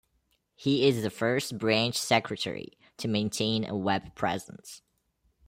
He is the first branch secretary to maintain a web presence.